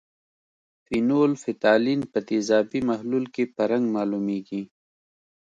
فینول فتالین په تیزابي محلول کې په رنګ معلومیږي.